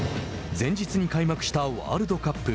前日に開幕したワールドカップ。